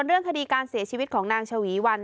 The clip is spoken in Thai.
เรื่องคดีการเสียชีวิตของนางชวีวัน